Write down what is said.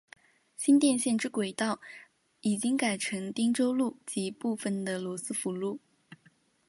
新店线之轨道已经改成汀州路及部分的罗斯福路。